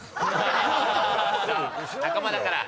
仲間だから。